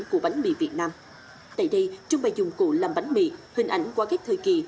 sản phẩm bánh mì việt nam tại đây trung bày dụng cụ làm bánh mì hình ảnh qua các thời kỳ